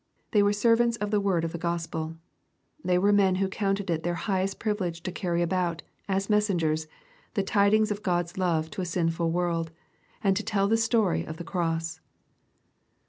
They were servants of the word of the Gospel. They were men who counted it their highest privilege to carry about, as messengers, the tidings of God's love to a sinful world, and to tell the story ol the cross.